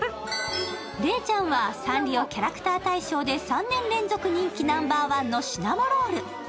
礼ちゃんはサンリオキャラクター大賞で３年連続人気ナンバーワンのシナモロール。